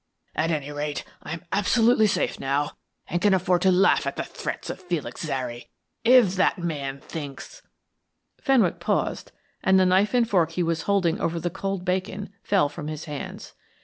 At any rate, I am absolutely safe now, and can afford to laugh at the threats of Felix Zary. If that man thinks " Fenwick paused, and the knife and fork he was holding over the cold bacon fell from his hands.